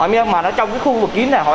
mà nó trong cái khu vực kín này